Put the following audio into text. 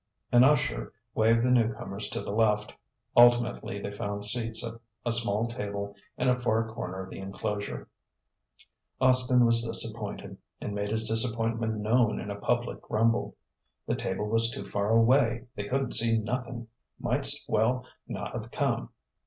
An usher waved the newcomers to the left. Ultimately they found seats at a small table in a far corner of the enclosure. Austin was disappointed, and made his disappointment known in a public grumble: the table was too far away; they couldn't see nothin' might's well not've come.